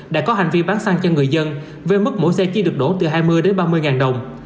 đã có hành vi bán xăng cho người dân với mức mỗi xe chỉ được đổ từ hai mươi đến ba mươi ngàn đồng